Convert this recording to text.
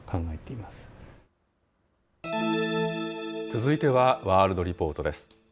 続いてはワールドリポートです。